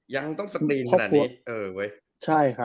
ยังต้องสกรีนขนาดนี้